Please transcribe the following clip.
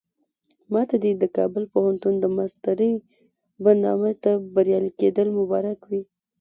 ماته دې د کابل پوهنتون د ماسترۍ برنامې ته بریالي کېدل مبارک وي.